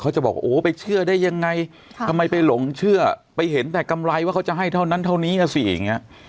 จะบอกโอ้ไปเชื่อได้ยังไงทำไมไปหลงเชื่อไปเห็นแต่กำไรว่าเขาจะให้เท่านั้นเท่านี้นะสิอย่างนี้